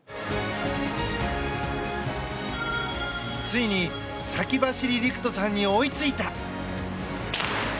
ついに先走り陸斗さんに追いついた！